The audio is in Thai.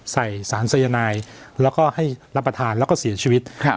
สารสายนายแล้วก็ให้รับประทานแล้วก็เสียชีวิต